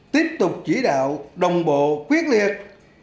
tiếp tục chỉ đạo đồng bộ quyết liệt